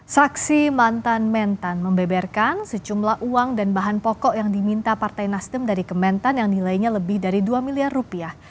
saksi mantan mentan membeberkan sejumlah uang dan bahan pokok yang diminta partai nasdem dari kementan yang nilainya lebih dari dua miliar rupiah